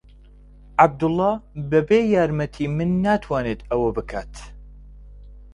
عەبدوڵڵا بەبێ یارمەتیی من ناتوانێت ئەوە بکات.